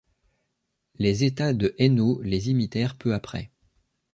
Les États de Hainaut les imitèrent peu après.